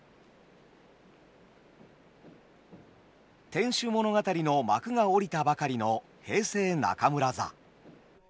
「天守物語」の幕が下りたばかりの平成中村座。